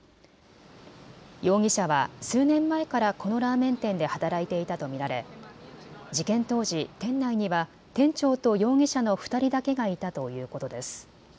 容疑者は数年前からこのラーメン店で働いていたと見られ事件当時、店内には店長と容疑者の２人だけがいたということです。